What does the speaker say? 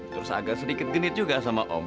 terus agak sedikit genit juga sama om